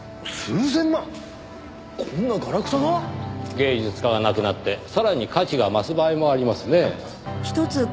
芸術家が亡くなってさらに価値が増す場合もありますねぇ。